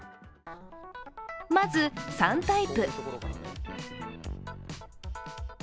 まず酸タイプ。